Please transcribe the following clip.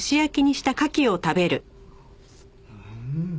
うん！